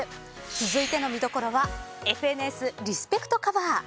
続いての見どころは『ＦＮＳ』リスペクトカバー。